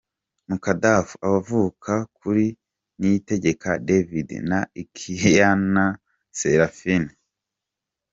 Mukadaff avuka kuri Niyitegeka David na Ikiyana Seraphine.